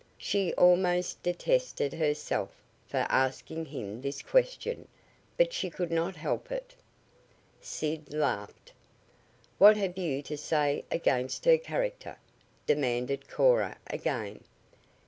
She almost detested herself for asking him this question, but she could not help it. Sid laughed. "What have you to say against her character?" demanded Cora again.